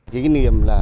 cái niềm là